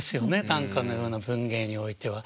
短歌のような文芸においては。